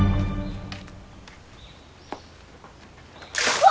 うわ！